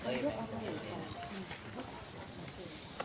สวัสดีครับ